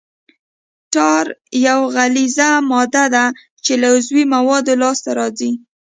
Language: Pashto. ټار یوه غلیظه ماده ده چې له عضوي موادو لاسته راځي